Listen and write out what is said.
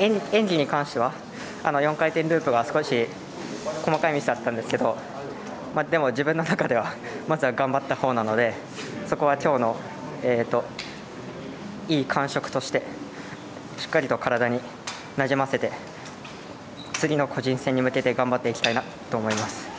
演技に関しては４回転ループが少し細かいミスがあったんですけどでも、自分の中では頑張ったほうなのでそこは、今日のいい感触としてしっかりと体になじませて次の個人戦に向けて頑張っていきたいと思います。